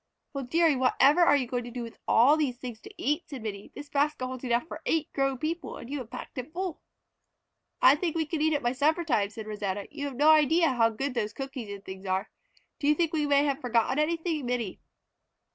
"Well, dearie, whatever are you going to do with all these things to eat?" said Minnie. "This basket holds enough for eight grown people, and you have packed it full." "I think we can eat it by supper time," said Rosanna. "You have no idea how good those cookies and things are. Do you think we have forgotten anything, Minnie?"